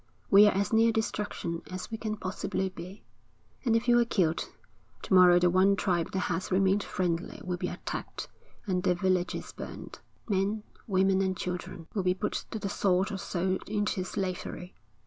We're as near destruction as we can possibly be; and if we're killed, to morrow the one tribe that has remained friendly will be attacked and their villages burnt. Men, women and children, will be put to the sword or sold into slavery.'